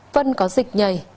vân có dịch nhầy